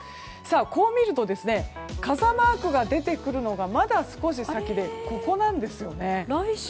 こう見ると傘マークが出てくるのがまだ少し先でここなんですよね。